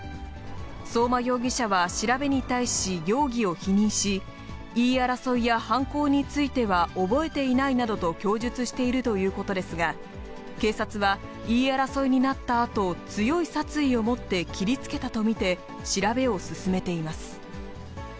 相馬容疑者は調べに対し容疑を否認し、言い争いや犯行については、覚えていないなどと供述しているということですが、警察は、言い争いになったあと、強い殺意を持って切りつけたと見て、調べを進めています。